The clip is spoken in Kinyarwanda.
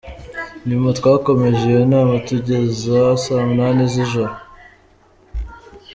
Nyuma twakomeje iyo nama tugeza saa munani z’ijoro.